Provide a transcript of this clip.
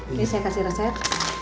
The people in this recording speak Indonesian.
ini saya kasih resep